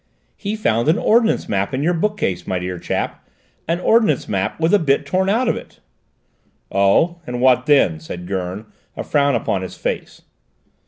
"He found an ordnance map in your bookcase, my dear chap an ordnance map with a bit torn out of it." "Oh! And what then?" said Gurn, a frown upon his face.